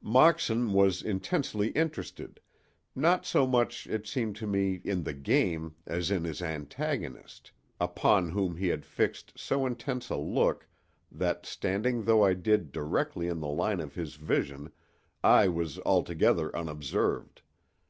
Moxon was intensely interested—not so much, it seemed to me, in the game as in his antagonist, upon whom he had fixed so intent a look that, standing though I did directly in the line of his vision, I was altogether unobserved.